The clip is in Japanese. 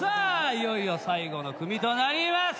いよいよ最後の組となります。